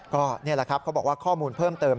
ก็นี่แหละครับเขาบอกว่าข้อมูลเพิ่มเติม